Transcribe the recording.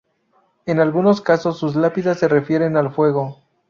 En algunos casos, sus lápidas se refieren al fuego.